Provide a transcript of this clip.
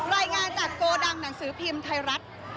รายงานจากโกดังหนังสือพิมพ์ไทยรัฐ